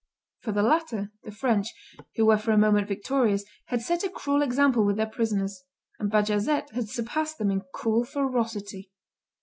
For the latter, the French, who were for a moment victorious, had set a cruel example with their prisoners; and Bajazet had surpassed them in cool ferocity.